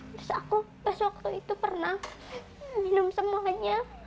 terus aku pas waktu itu pernah minum semuanya